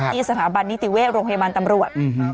ที่สถาบันนิติเวชโรงพยาบาลตำรวจ